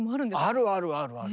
あるあるあるある。